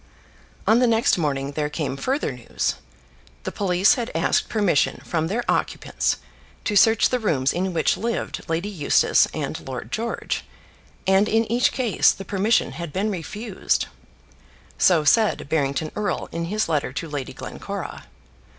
On the next morning there came further news. The police had asked permission from their occupants to search the rooms in which lived Lady Eustace and Lord George, and in each case the permission had been refused. So said Barrington Erle in his letter to Lady Glencora.